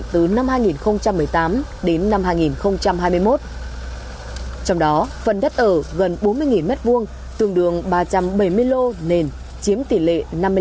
trong đó phần đất ở gần bốn mươi m hai tường đường ba trăm bảy mươi lô nền chiếm tỷ lệ năm mươi năm